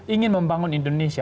ingin membangun indonesia